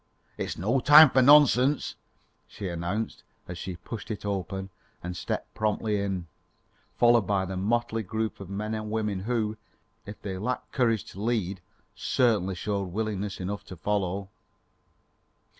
"It's no time for nonsense," she announced, as she pushed it open and stepped promptly in, followed by the motley group of men and women who, if they lacked courage to lead, certainly showed willingness enough to follow.